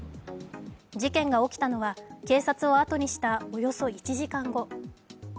事件が起きたのは警察を後にしたおよそ１時間後。